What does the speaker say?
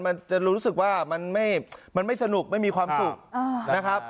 มันจะรู้สึกว่ามันไม่สนุกไม่มีความสุขนะครับ